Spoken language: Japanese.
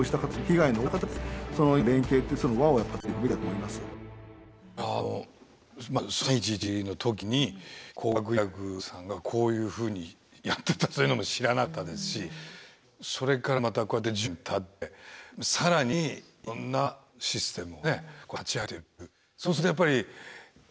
いや３．１１の時に工学院大学さんがこういうふうにやってたというのも知らなかったですしそれからまたこうやって１０年たって更にいろんなシステムをこうやって立ち上げてるっていう。